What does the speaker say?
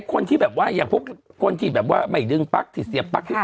คนที่แบบว่าไม่ดึงปรักสิดเสียปรัก